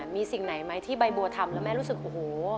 มีสิ่งไหนไหมที่ใบบัวทำแล้วแม่รู้สึกโอ้โห